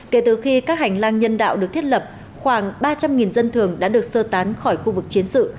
kể từ khi các hành lang nhân đạo được thiết lập khoảng ba trăm linh dân thường đã được sơ tán khỏi khu vực chiến sự